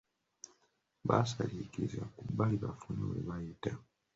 Baasalinkiriza ku bbali bafune we bayita.